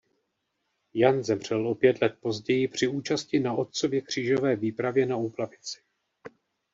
Jan zemřel o pět let později při účasti na otcově křížové výpravě na úplavici.